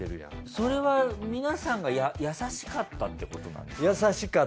それは皆さんが優しかったってこと。